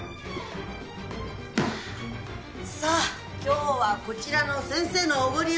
さあ今日はこちらの先生のおごりよ。